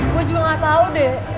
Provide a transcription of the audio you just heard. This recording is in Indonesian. gue juga gak tau deh